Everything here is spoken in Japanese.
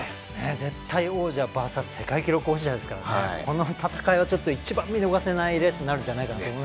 絶対王者ＶＳ世界記録保持者ですからこの戦いは一番見逃せないレースになるんじゃないかと。